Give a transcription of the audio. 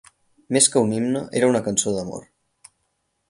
Més que un himne era una cançó d'amor.